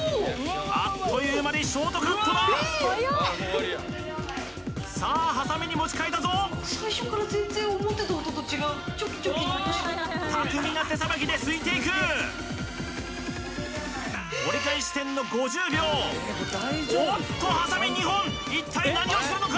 あっという間にショートカットださあハサミに持ち替えたぞ最初から全然思ってた音と違う巧みな手さばきですいていく折り返し地点の５０秒おっとハサミ２本一体何をするのか？